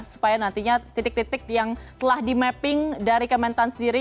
supaya nantinya titik titik yang telah di mapping dari kementan sendiri